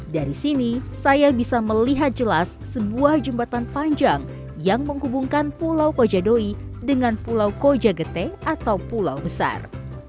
dari sini saya bisa melihat jelas sebuah jembatan panjang yang menghubungkan pulau kojadoi dengan pulau koja gete atau pulau besar